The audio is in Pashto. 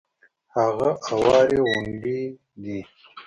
هغه اوارې غونډې دي.